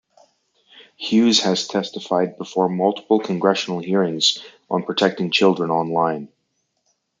Hughes has testified before multiple congressional hearings on protecting children online.